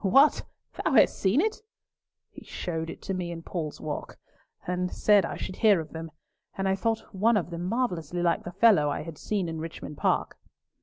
What! Thou hast seen it?" "He showed it to me in Paul's Walk, and said I should hear of them, and I thought one of them marvellously like the fellow I had seen in Richmond Park."